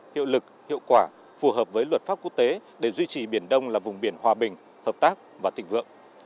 hiệu quả phù hợp với luật pháp quốc tế để duy trì biển đông là vùng biển hòa bình hợp tác và tịnh vượng